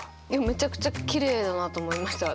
めちゃくちゃきれいだなと思いました。